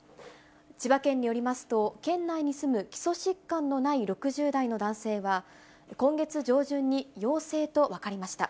千葉県によりますと、県内に住む基礎疾患のない６０代の男性は、今月上旬に陽性と分かりました。